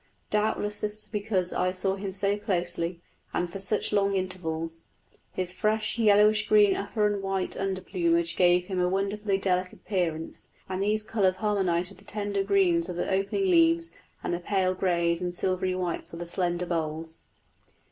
Doubtless this was because I saw him so closely, and for such long intervals. His fresh yellowish green upper and white under plumage gave him a wonderfully delicate appearance, and these colours harmonised with the tender greens of the opening leaves and the pale greys and silvery whites of the slender boles.